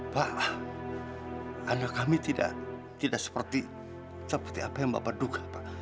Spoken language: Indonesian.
pak anak kami tidak seperti apa yang bapak duka pak